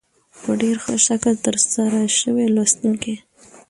په ډېر ښه شکل تر سره شوې لوستونکي